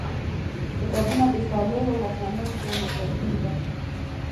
کتابونه د صالحو واکمنانو په نصیحتونو ډک دي.